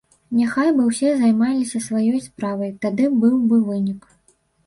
Няхай бы ўсе займаліся сваё справай, тады быў бы вынік.